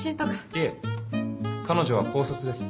いえ彼女は高卒です。